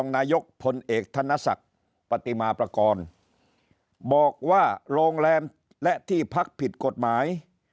นายกพลเอกธนศักดิ์ปฏิมาประกอบบอกว่าโรงแรมและที่พักผิดกฎหมาย